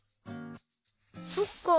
そっか。